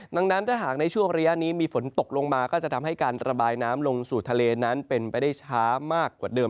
ดังนั้นถ้าหากในช่วงระยะนี้มีฝนตกลงมาก็จะทำให้การระบายน้ำลงสู่ทะเลนั้นเป็นไปได้ช้ามากกว่าเดิม